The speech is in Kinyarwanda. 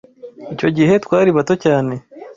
Icyo gihe twari bato cyane.